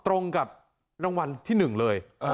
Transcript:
ตรงกับรางวัลที่๑เลย